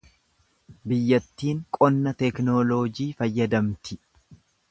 Biyyattiin qonna teeknooloojii fayyadamti.